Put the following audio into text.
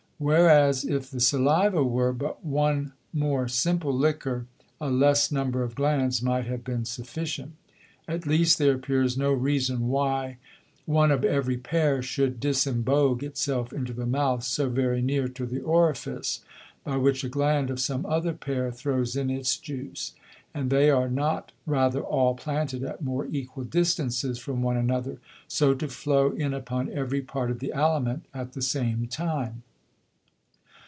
Whereas if the Saliva were but one more simple Liquor, a less number of Glands might have been sufficient. At least there appears no Reason why one of every Pair should disembogue itself into the Mouth so very near to the Orifice, by which a Gland of some other Pair throws in its Juice; and they are not rather all planted at more equal distances from one another, so to flow in upon every part of the Aliment at the same time.